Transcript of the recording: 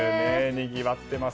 にぎわってます。